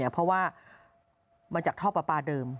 เพราะว่ามาจากท่อปลาปลาเดิม